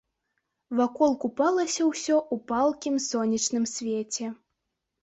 Вакол купалася ўсё ў палкім сонечным свеце.